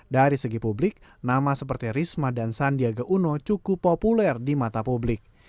dari segi publik nama seperti risma dan sandiaga uno cukup populer di mata publik